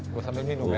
gue sambil minum ya